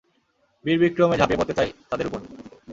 বীর বিক্রমে ঝাঁপিয়ে পড়তে চায় তাদের উপর।